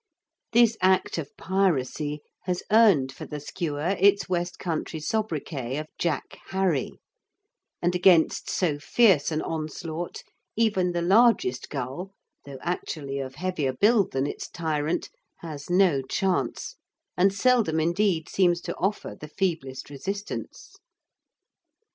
This act of piracy has earned for the skua its West Country sobriquet of "Jack Harry," and against so fierce an onslaught even the largest gull, though actually of heavier build than its tyrant, has no chance and seldom indeed seems to offer the feeblest resistance.